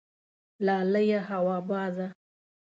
لالیه هوا بازه